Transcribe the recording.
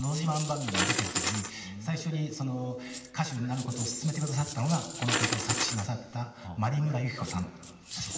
番組に出てるときに最初に歌手になることをすすめてくださったのがこの曲を作詞なさった万里村ゆき子さんです。